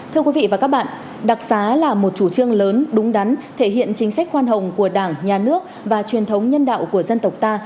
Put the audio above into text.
thưa quý vị và các bạn đặc xá là một chủ trương lớn đúng đắn thể hiện chính sách khoan hồng của đảng nhà nước và truyền thống nhân đạo của dân tộc ta